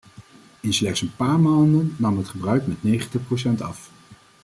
In slechts een paar maanden nam het gebruik met negentig procent af.